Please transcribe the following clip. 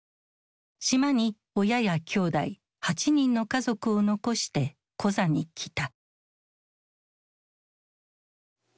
島に親やきょうだい８人の家族を残してコザに来た。